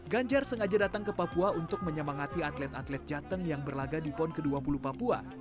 ganjar sengaja datang ke papua untuk menyemangati atlet atlet jateng yang berlaga di pon ke dua puluh papua